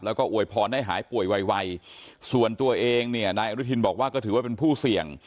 แล้วก็อวยพรให้หายป่วยไวส่วนตัวเองเนี่ยนายอนุทินบอกว่าก็ถือว่าเป็นผู้เสี่ยง